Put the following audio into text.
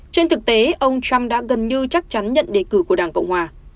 trên thực tế ông trump đã gần như chắc chắn nhận đề cử của đảng cộng hòa